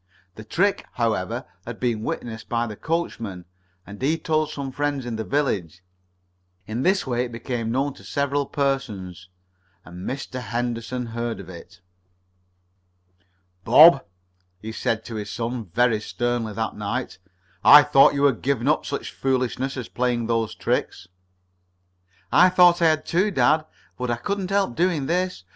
The trick, however, had been witnessed by the coachman, and he told some friends in the village. In this way it became known to several persons, and Mr. Henderson heard of it. "Bob," he said to his son very sternly that night, "I thought you had given up such foolishness as playing those tricks." "I thought I had, too, dad, but I couldn't help doing this.